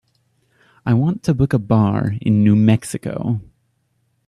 I want to book a bar in New Mexico.